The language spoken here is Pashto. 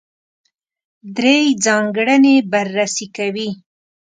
درې ځانګړنې بررسي کوي.